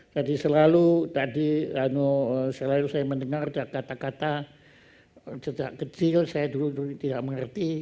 jadi selalu saya mendengar kata kata jejak kecil saya dulu dulu tidak mengerti